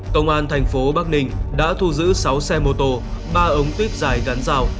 công an thành phố bắc ninh đã thu giữ sáu xe mô tô ba ống tuyếp dài gắn rào